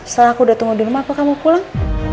setelah aku udah tunggu di rumah apa kamu pulang